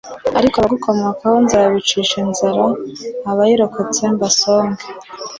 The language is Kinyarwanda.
ariko abagukomokaho nzabicisha inzara, abayirokotse mbasonge.